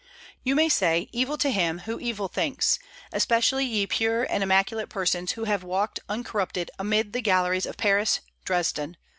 You may say, "Evil to him who evil thinks," especially ye pure and immaculate persons who have walked uncorrupted amid the galleries of Paris, Dresden.